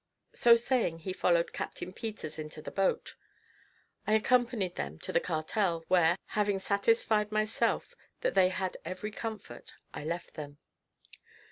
So saying, he followed Captain Peters into the boat. I accompanied them to the cartel, where, having satisfied myself that they had every comfort, I left them.